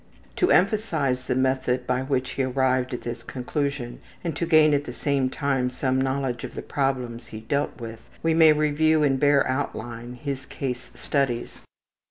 To emphasize the method by which he arrived at this conclusion and to gain at the same time some knowledge of the problems he dealt with, we may review in bare outline his case studies.